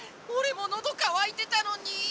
オレものどかわいてたのに。